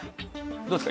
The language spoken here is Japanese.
どうですか？